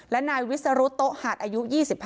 และนายวิสรุธโต๊ะหาดอายุ๒๕